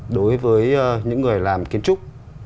đối với những người làm kiến trúc